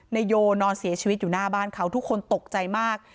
โยนอนเสียชีวิตอยู่หน้าบ้านเขาทุกคนตกใจมาก